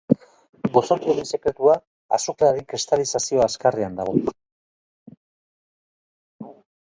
Gozoki honen sekretua, azukrearen kristalizazio azkarrean dago.